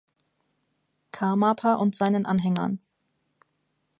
Karmapa und seinen Anhängern.